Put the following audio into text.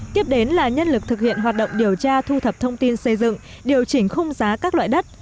tiếp đến là nhân lực thực hiện hoạt động điều tra thu thập thông tin xây dựng điều chỉnh khung giá các loại đất